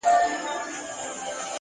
ساه که مي هم اوځی، اظهاره زه به مینه کوم